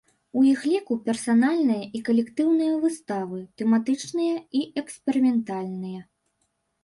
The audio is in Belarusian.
У іх ліку персанальныя і калектыўныя выставы, тэматычныя і эксперыментальныя.